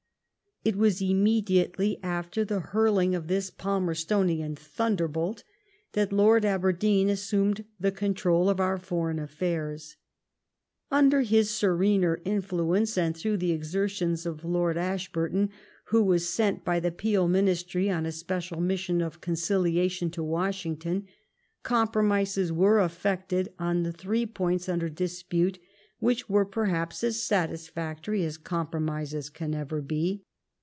It was immediately after the hurling of this Palmer stonian thunderbolt that Lord Aberdeen assumed the con trol of our foreign relations. Under his serener influence, and through the exertions of Lord Ashburton, who was sent by the Peel Ministry on a special mission of conci liation to Washington, compromises were effected on the three points under dispute which were perhaps as satis factory as compromises can ever be.